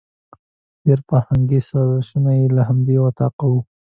ډېري فرهنګي سازشونه یې له همدې وطاقه وو.